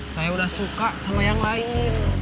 saya udah suka sama yang lain